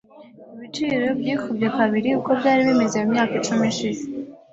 Ibiciro byikubye kabiri uko byari bimeze mumyaka icumi ishize .